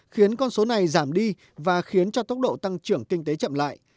khiến con số này giảm đi và khiến cho tốc độ tăng trưởng kinh tế chậm lại